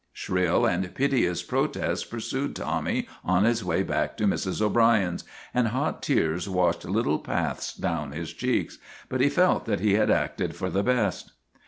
Shrill and piteous protests pursued Tommy on his way back to Mrs. O'Brien's, and hot tears washed little paths down his cheeks, but he felt that he had acted for the best.